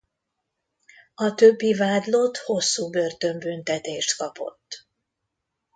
A többi vádlott hosszú börtönbüntetést kapott.